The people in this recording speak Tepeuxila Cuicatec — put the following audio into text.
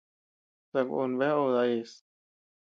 Sako bea obe dayas.